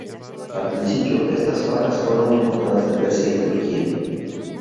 Al principio, estas fajas fueron importadas de Persia y Turquía.